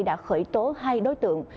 đã khởi tố hai đối tượng